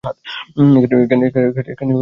এখানে কোনো বাঁধা পথ নেই।